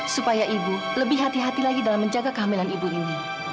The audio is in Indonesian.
supaya ibu lebih hati hati lagi dalam menjaga kehamilan ibu ini